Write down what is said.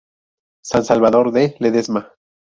San Salvador de Ledesma.